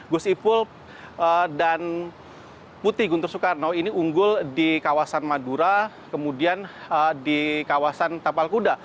gus ipul dan putih guntur soekarno ini unggul di kawasan madura kemudian di kawasan tapal kuda